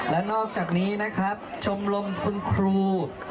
และนอกจากนี้ชมรมคุณครู